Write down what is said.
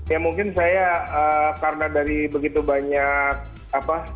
ya mungkin saya karena dari begitu banyak apa